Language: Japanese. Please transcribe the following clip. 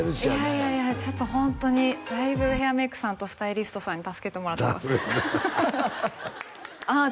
いやいやいやちょっとホントにだいぶヘアメークさんとスタイリストさんに助けてもらってますああ